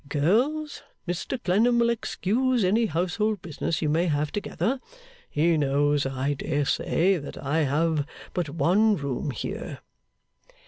Girls, Mr Clennam will excuse any household business you may have together. He knows, I dare say, that I have but one room here.